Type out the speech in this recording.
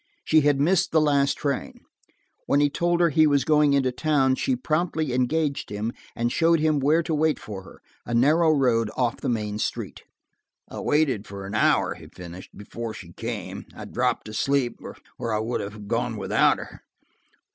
She had missed the last train. When he told her he was going into town, she promptly engaged him, and showed him where to wait for her, a narrow road off the main street. "I waited an hour," he finished, "before she came; I dropped to sleep or I would have gone without her.